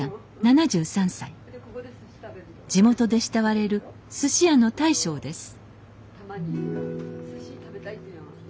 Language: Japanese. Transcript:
地元で慕われるすし屋の大将です